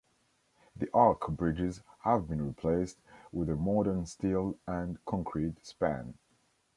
The arch bridges have been replaced with a modern steel and concrete span.